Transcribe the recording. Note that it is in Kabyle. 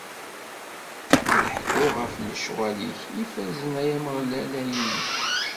Ad ḥkuɣ ɣef lecɣwal-ik ifazen, ay Ameɣlal, a Illu!